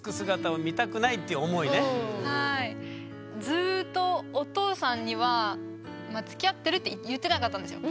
ずっとお父さんには「つきあってる」って言ってなかったんですよ。